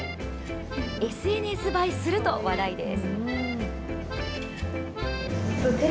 ＳＮＳ映えすると話題です。